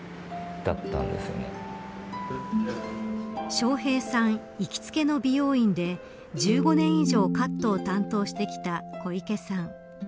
笑瓶さん行きつけの美容院で１５年以上カットを担当してきた小池さん。